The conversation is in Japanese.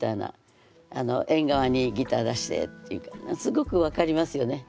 縁側にギター出してっていうかすごく分かりますよね。